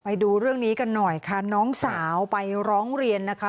ไปดูเรื่องนี้กันหน่อยค่ะน้องสาวไปร้องเรียนนะคะ